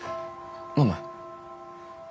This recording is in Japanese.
飲む？